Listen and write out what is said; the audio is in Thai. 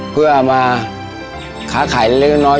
เพื่อเอามาค้าขายเรื่องน้อย